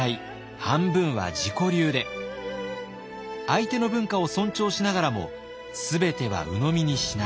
相手の文化を尊重しながらも全ては鵜呑みにしない。